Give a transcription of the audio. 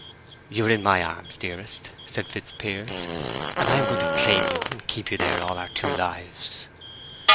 "You are in my arms, dearest," said Fitzpiers, "and I am going to claim you, and keep you there all our two lives!"